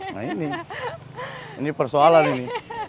nah ini persoalan ini